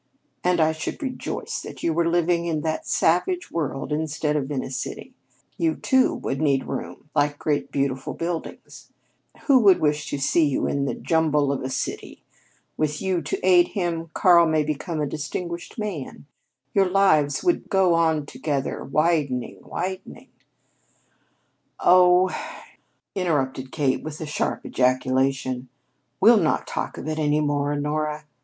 And I should rejoice that you were living in that savage world instead of in a city. You two would need room like great beautiful buildings. Who would wish to see you in the jumble of a city? With you to aid him, Karl may become a distinguished man. Your lives would go on together, widening, widening " "Oh!" interrupted Kate with a sharp ejaculation; "we'll not talk of it any more, Honora.